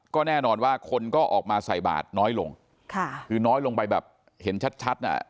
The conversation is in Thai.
ก็แน่นอนว่าคนก็ออกมาใส่บาทน้อยลงค่ะคือน้อยลงไปแบบเห็นชัดชัดอ่ะ